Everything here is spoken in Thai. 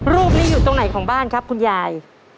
รูปนี้อยู่ตรงไหนของบ้านครับคุณยาย